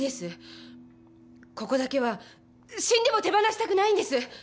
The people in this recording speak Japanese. ここだけは死んでも手放したくないんです。